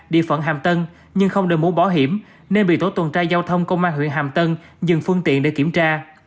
địa phận hàm tân nhưng không đổi mũ bảo hiểm nên bị tổ tuần tra giao thông công an huyện hàm tân dừng phương tiện để kiểm tra